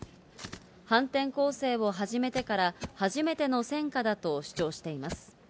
反転攻勢を始めてから初めての戦果だと主張しています。